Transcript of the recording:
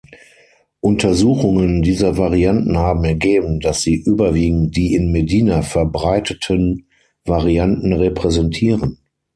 Untersuchungen dieser Varianten haben ergeben, dass sie überwiegend die in Medina verbreiteten Varianten repräsentieren.